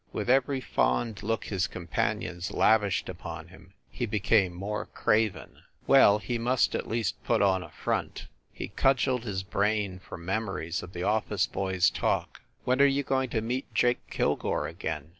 With every fond look his compan ions lavished upon him he became more craven. 162 FIND THE WOMAN Well, he must at least put on a "front." He cud geled his brain for memories of the office boy s talk. "When are you going to meet Jake Kilgore again?"